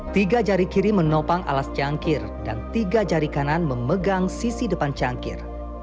tiga jari kiri menopang alas cangkir dan tiga jari kanan memegang sisi depan cangkir